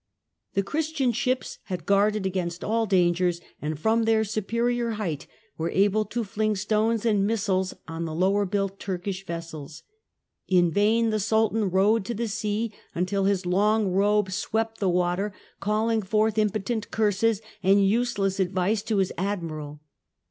The Christian ships had guarded against all dangers, and from their superior height were able to fling stones and missiles on the lower built Turkish vessels. In vain the Sultan rode in to the sea, until his long robe swept the water, calling forth impotent curses and useless advice to his admiral.